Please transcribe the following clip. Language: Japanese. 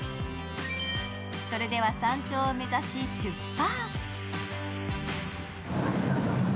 それでは、山頂を目指し出発！